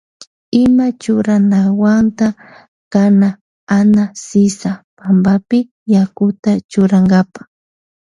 Ima churanawanta kana Ana sisa pampapi yakuta churankapa.